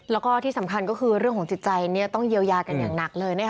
แล้วก็ที่สำคัญก็คือเรื่องของจิตใจต้องเยียวยากันอย่างหนักเลย